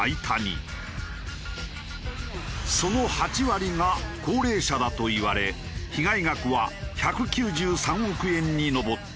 その８割が高齢者だといわれ被害額は１９３億円に上った。